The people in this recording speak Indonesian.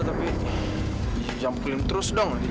tapi jangan berklaim terus dong